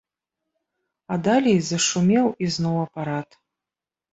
А далей зашумеў ізноў апарат.